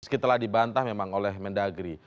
sekitarlah dibantah memang oleh mendagri